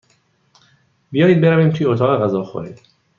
بیایید برویم توی اتاق غذاخوری.